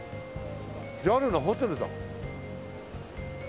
ＪＡＬのホテルだ。